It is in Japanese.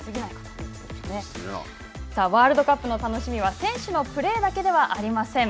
さあ、ワールドカップの楽しみは選手のプレーだけではありません。